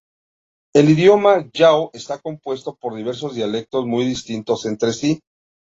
El idioma yao está compuesto por diversos dialectos muy distintos entre sí.